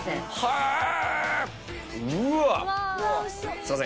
すいません。